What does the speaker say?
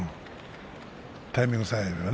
タイミングさえ合えば。